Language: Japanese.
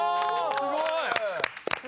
すごい。